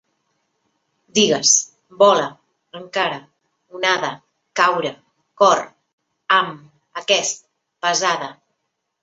Digues: bola, encara, onada, caure, cor, ham, aquest, pesada